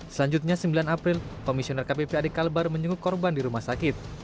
selanjutnya sembilan april komisioner kppad kalbar menjenguk korban di rumah sakit